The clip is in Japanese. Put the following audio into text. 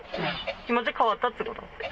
気持ち変わったってこと？